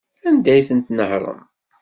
Anda ay ten-tnehṛem?